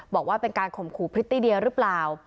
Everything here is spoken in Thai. บอกว่าเป็นการข่มขู่พริตตี้เดียหรือเปล่า